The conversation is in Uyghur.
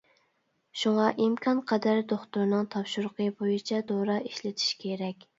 شۇڭا ئىمكانقەدەر دوختۇرنىڭ تاپشۇرۇقى بويىچە دورا ئىشلىتىش كېرەك.